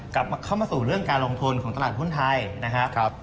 เข้ามาสู่เรื่องการลงทุนของตลาดหุ้นไทยนะครับ